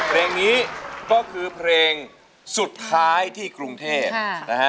เพลงนี้ก็คือเพลงสุดท้ายที่กรุงเทพนะฮะ